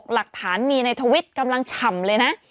หลักฐานมีในทวิตกำลังฉ่ำเลยนะ